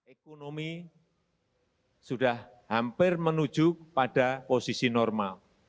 ekonomi sudah hampir menuju pada posisi normal